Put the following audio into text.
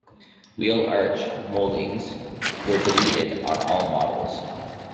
Wheel arch moldings were deleted on all models.